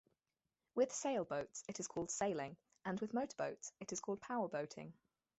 With sailboats, it is called sailing, and with motorboats, it is called powerboating.